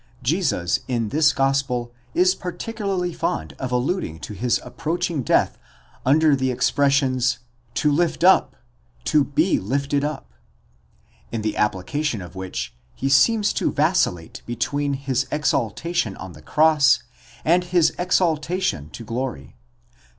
Jesus in this gospel is particularly fond of alluding to his approaching death under the expressions ὑψοῦν, ὑψοῦσθαι, to lift up, to be lifted up, in the application of which he seems to vacillate between his exaltation on the cross, and his exal tation to glory (iii.